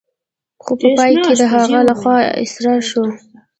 خو په پای کې د هغه لخوا اسیر شو.